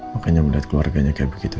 makanya melihat keluarganya kayak begitu